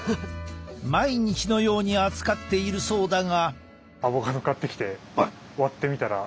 毎日のように扱っているそうだが。